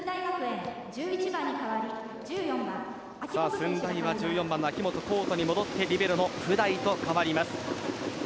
駿台は１４番の秋本コートに戻ってリベロの布台と代わります。